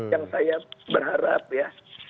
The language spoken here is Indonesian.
yang saya berharap ya